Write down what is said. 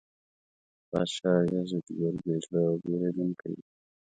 پاچا یزدګُرد بې زړه او بېرندوکی و.